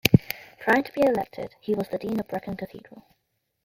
Prior to being elected he was the Dean of Brecon Cathedral.